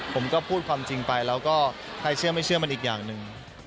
ผมก็พูดความจริงไปแล้วก็ใครเชื่อไม่เชื่อมันอีกอย่างหนึ่ง